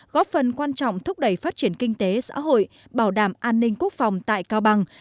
góp phần quan trọng thúc đẩy phát triển kinh tế xã hội bảo đảm an ninh quốc phòng tại cao bằng